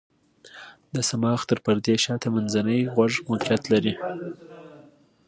د صماخ تر پردې شاته منځنی غوږ موقعیت لري.